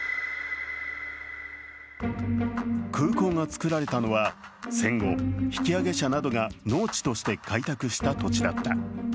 空港が作られたのは戦後、引き揚げ者などが農地として開拓した土地だった。